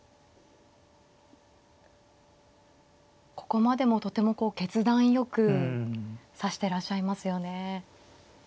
ここまでもとてもこう決断よく指してらっしゃいますよね。